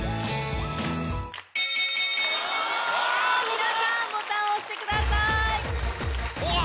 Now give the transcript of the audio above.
皆さんボタンを押してください。